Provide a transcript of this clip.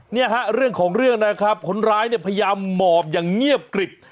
เนี่ยฮะเรื่องของเรื่องนะครับคนร้ายเนี่ยพยายามหมอบอย่างเงียบกริบ